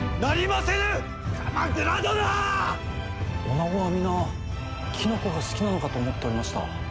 女子は皆きのこが好きなのかと思っておりました。